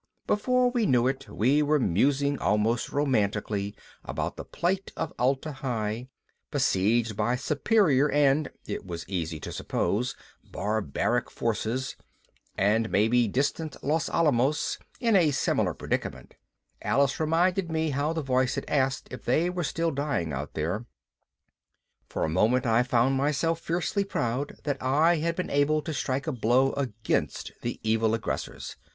Before we knew it we were, musing almost romantically about the plight of Atla Hi, besieged by superior and (it was easy to suppose) barbaric forces, and maybe distant Los Alamos in a similar predicament Alice reminded me how the voice had asked if they were still dying out there. For a moment I found myself fiercely proud that I had been able to strike a blow against evil aggressors.